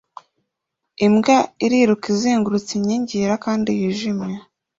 Imbwa iriruka izengurutse inkingi yera kandi yijimye